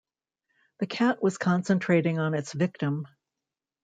The cat was concentrating on its victim.